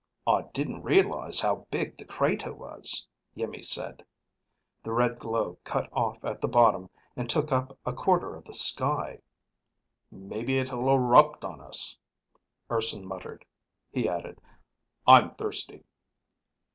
"I didn't realize how big the crater was," Iimmi said. The red glow cut off at the bottom and took up a quarter of the sky. "Maybe it'll erupt on us," Urson muttered. He added, "I'm thirsty."